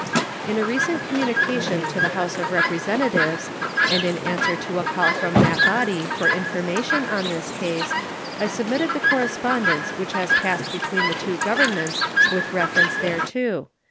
In a recent communication to the House of Representatives, and in answer to a call from that body for information on this case, I submitted the correspondence which has passed between the two Governments with reference thereto.